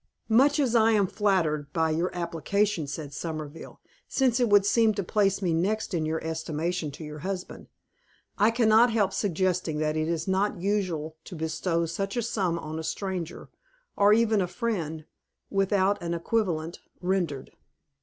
"Much as I am flattered by your application," said Somerville, "since it would seem to place me next in your estimation to your husband, I cannot help suggesting that it is not usual to bestow such a sum on a stranger, or even a friend, without an equivalent rendered."